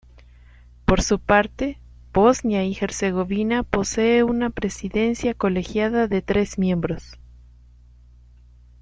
Por su parte, Bosnia y Herzegovina posee una presidencia colegiada de tres miembros.